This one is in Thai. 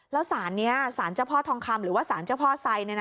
แล้วสารนี้สารเจ้าพ่อทองคำหรือว่าสารเจ้าพ่อไซ